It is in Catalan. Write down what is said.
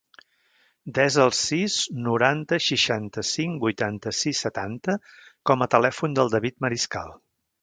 Desa el sis, noranta, seixanta-cinc, vuitanta-sis, setanta com a telèfon del David Mariscal.